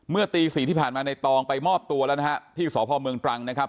ตีสี่ที่ผ่านมาในตองไปมอบตัวแล้วนะฮะที่สพเมืองตรังนะครับ